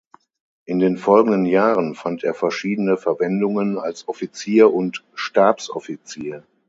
In den folgenden Jahren fand er verschiedene Verwendungen als Offizier und Stabsoffizier.